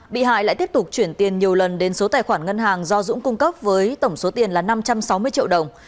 bị hại lại tiếp tục chuyển tiền nhiều lần đến số tài khoản ngân hàng do dũng cung cấp với tổng số tiền là năm trăm sáu mươi triệu đồng